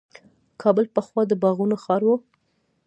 کابل پخوا د باغونو ښار و.